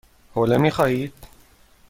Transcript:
حوله می خواهید؟